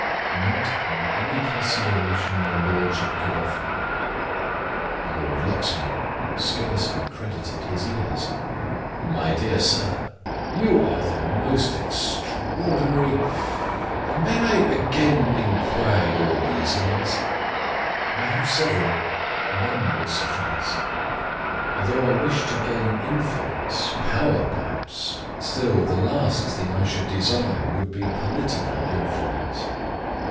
"Not on any consideration your lordship could offer me." Lord Luxmore scarcely credited his ears. "My dear sir you are the most extraordinary may I again inquire your reasons?" "I have several; one will suffice. Though I wish to gain influence power perhaps; still the last thing I should desire would be political influence."